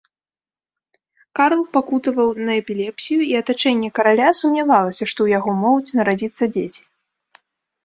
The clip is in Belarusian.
Карл пакутаваў на эпілепсію, і атачэнне караля сумнявалася, што ў яго могуць нарадзіцца дзеці.